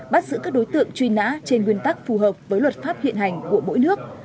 bắt giữ các đối tượng truy nã trên nguyên tắc phù hợp với luật pháp hiện hành của mỗi nước